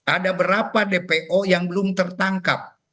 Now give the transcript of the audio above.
ada berapa dpo yang belum tertangkap